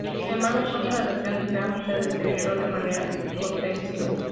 Sin embargo, pronto la relación entre ambos se deterioró de manera ostensible.